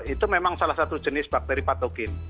itu memang salah satu jenis bakteri patokin